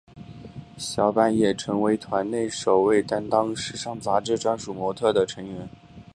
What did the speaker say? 小坂也成为团内首位担任时尚杂志专属模特儿的成员。